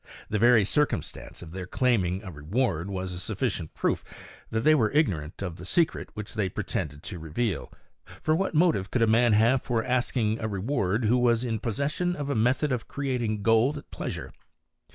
The very circumstance of their claiming a reward was a sufficient proof that they were ignorant of the secret which they pretended to reveal ; for what motive could a man have for ask ing a reward who was in possession of a method of creating gold at pleasure?